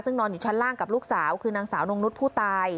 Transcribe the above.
ซึ่งนอนอยู่ชั้นล่างกับลูกสาวคือนางสาวนงนุษย์ผู้ตาย